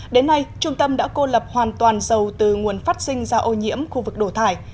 đến nay trung tâm đã cô lập hoàn toàn dầu từ nguồn phát sinh ra ô nhiễm khu vực đổ thải